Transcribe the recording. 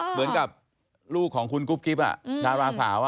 เหมือนกับลูกของคุณกุ๊บกิ๊บดาราสาว